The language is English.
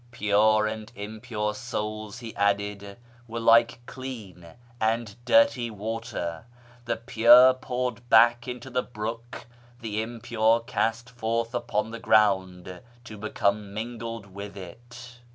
Pure and impure souls, he added, were like clean and dirty water — the pure poured back into the brook, the impure cast forth upon the ground to become mingled with it.